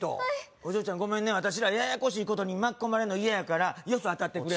お嬢ちゃんゴメンね私らややこしいことに巻き込まれるの嫌やからよそ当たってくれる？